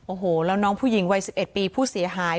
โอ้โหแล้วน้องผู้หญิงวัย๑๑ปีผู้เสียหาย